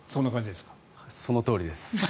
そのとおりです。